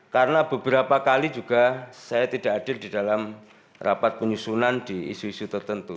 karena beberapa kali juga saya tidak hadir di dalam rapat penyusunan di isu isu tertentu